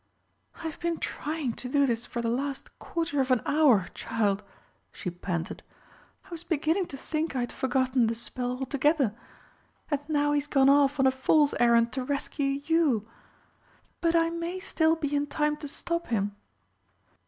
"I've been trying to do this for the last quarter of an hour, child," she panted. "I was beginning to think I'd forgotten the spell altogether. And now he's gone off on a fool's errand to rescue you! But I may still be in time to stop him!"